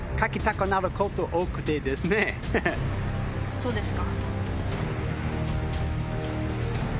そうですか。